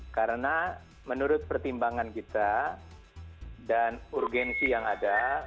karena menurut pertimbangan kita dan urgensi yang ada